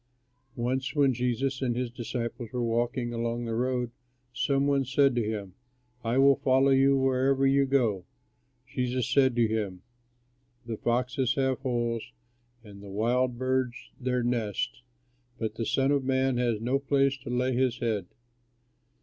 Once when Jesus and his disciples were walking along the road, some one said to him, "I will follow you wherever you go." Jesus said to him, "The foxes have holes and the wild birds their nests, but the Son of Man has no place to lay his head."